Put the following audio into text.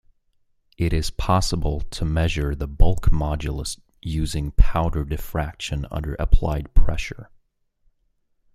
It is possible to measure the bulk modulus using powder diffraction under applied pressure.